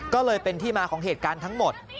ก็เลยเป็นที่มาของเหตุการณ์ทั้งหมด